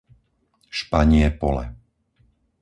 Španie Pole